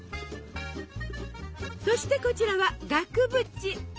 そしてこちらは額縁。